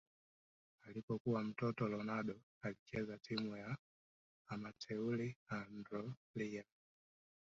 Alipokuwa mtoto Ronaldo alicheza timu ya amateur Andorinha